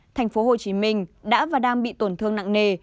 thành phố hồ chí minh đã và đang bị tổn thương nặng nề